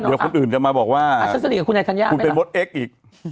เดี๋ยวคนอื่นจะมาบอกว่าคุณเป็นบดเอ็กซ์อีก